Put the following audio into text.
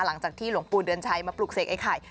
หลังจากที่หลวงปู่เดือนชัยมาปลูกเสกไอ้ไข่